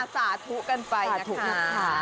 สาธุกันไปนะคะ